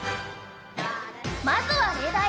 まずは例題。